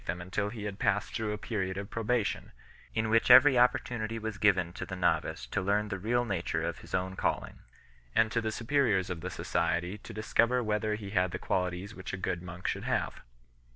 them until he had passed through a period of probation, in which every opportunity was given to the novice to learn the real nature of his own calling, and to the superiors of the society to discover whether he had the qualities which a good monk should have.